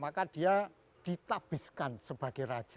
maka dia ditabiskan sebagai raja